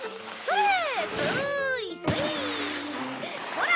ほら！